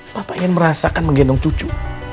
bapak ingin merasakan menggendong cucu